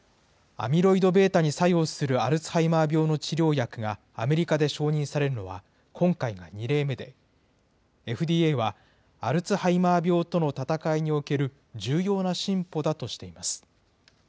アミロイドβに作用するアルツハイマー病の治療薬がアメリカで承認されるのは今回が２例目で、ＦＤＡはアルツハイマー病との闘いにおける重要な進歩だとしています。